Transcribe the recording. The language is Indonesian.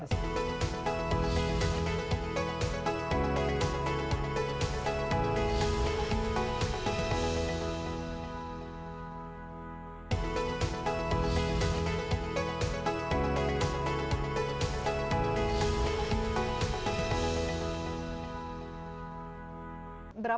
pemerintah pak mbak mbak